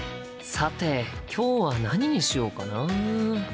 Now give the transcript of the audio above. さて今日は何にしようかな？